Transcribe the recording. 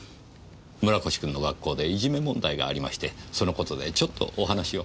村越君の学校でいじめ問題がありましてその事でちょっとお話を。